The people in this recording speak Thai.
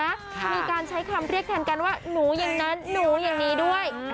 มีการใช้คำเรียกแทนกันว่าหนูอย่างนั้นหนูอย่างนี้ด้วย